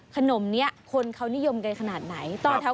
ขนมนี้คนเขานิยมกันขนาดไหน